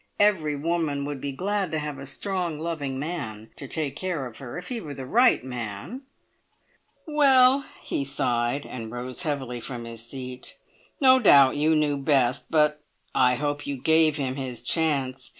Every woman would be glad to have a strong, loving man to take care of her if he were the right man!" "Well!" he sighed, and rose heavily from his seat. "No doubt you knew best, but I hope you gave him his chance!